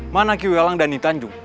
mana kiwelang dan nitanju